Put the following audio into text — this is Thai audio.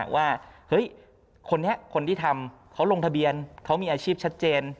ว่าเฮ้ยคนนี้คนที่ทำเขาลงทะเบียนเขามีอาชีพชัดเจน